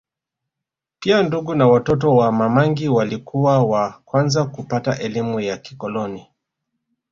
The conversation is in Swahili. Pia ndugu na watoto wa Mamangi walikuwa wa kwanza kupata elimu ya kikoloni